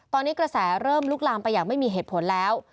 ตอนนี้กระแสเริ่มลุกลามไปอย่างไม่มีเหตุผลแล้ว